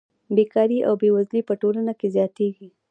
بېکاري او بېوزلي په ټولنه کې زیاتېږي